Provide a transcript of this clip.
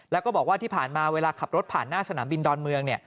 แล้วก็บอกว่าที่ผ่านมาเวลาขับรถผ่านหน้าสนามบินดอนเมือง